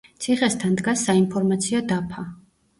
ციხესთან დგას საინფორმაციო დაფა.